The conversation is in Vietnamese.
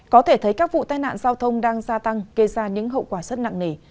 có thể thấy các vụ tai nạn giao thông đang gia tăng gây ra những hậu quả rất nặng nề